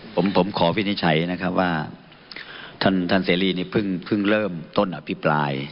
ผมผมขอวินิจฉัยนะครับว่าท่านท่านเสรีนี่เพิ่งเริ่มต้นอภิปราย